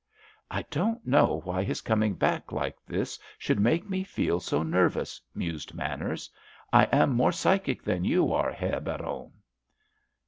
"I don't know why his coming back like this should make me feel so nervous," mused Manners. "I am more psychic than you are, Herr Baron."